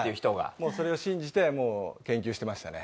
もうそれを信じて研究してましたね。